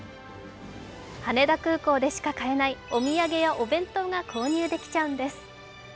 羽田空港でしか買えないお土産やお弁当が購入できちゃうんです。